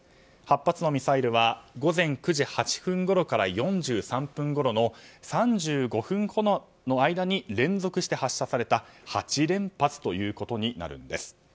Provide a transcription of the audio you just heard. ８発のミサイルは午前９時８分ごろから４３分ごろの３５分ほどの間に連続して発射された８連発ということになるんです。